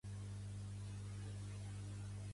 Sindicalista i militant anarquista.